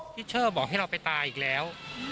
เชอร์บอกให้เราไปตายอีกแล้ว